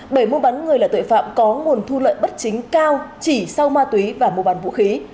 bởi mua bắn người là tội phạm có nguồn thu lợi bất chính cao chỉ sau ma túy và mua bán vũ khí